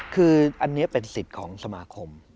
คืออันนี้เป็นสิทธิ์ของสมาคม